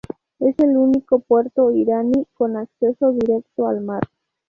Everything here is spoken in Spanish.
Es el único puerto iraní con acceso directo al mar.